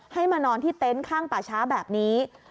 มานอนที่เต็นต์ข้างป่าช้าแบบนี้